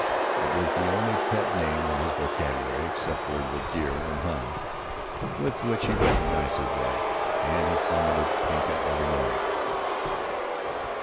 It was the only pet name in his vocabulary, except the "dear" and "hon." with which he recognized his wife, and he flung it at Tinka every morning.